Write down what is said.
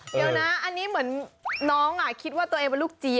เดี๋ยวนะอันนี้เหมือนน้องคิดว่าตัวเองเป็นลูกจี๊